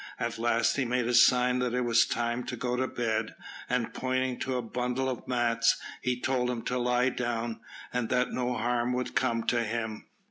At last he made a sign that it was time to go to bed, and, pointing to a bundle of mats, he told him to lie down, and that no harm would come to him.